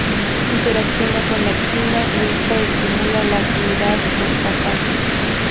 Interacciona con la actina y esto estimula la actividad fosfatasa.